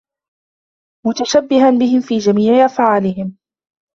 مُتَشَبِّهًا بِهِمْ فِي جَمِيعِ أَفْعَالِهِمْ